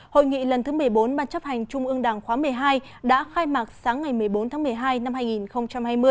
hội nghị lần thứ một mươi bốn ban chấp hành trung ương đảng khóa một mươi hai đã khai mạc sáng ngày một mươi bốn tháng một mươi hai năm hai nghìn hai mươi